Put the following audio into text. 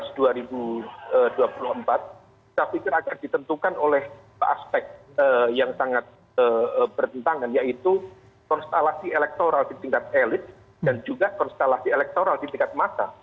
saya pikir akan ditentukan oleh aspek yang sangat bertentangan yaitu konstelasi elektoral di tingkat elit dan juga konstelasi elektoral di tingkat masa